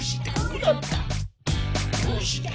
「どうして？